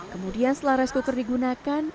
kemudian setelah rice cooker digunakan